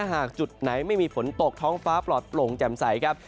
หากจุดไหนไม่มีฝนตกท้องฟ้าปลอดโปร่งแจ่มใสครับ